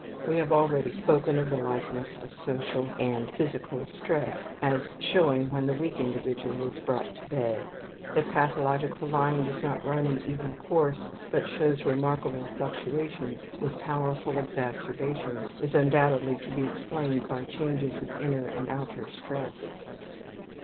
We have already spoken of the likeness of social and physical stress as showing when the weak individual is brought to bay. That pathological lying does not run an even course, but shows remarkable fluctuations with powerful exacerbations, is undoubtedly to be explained by changes of inner and outer stress.